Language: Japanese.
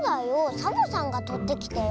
サボさんがとってきてよ。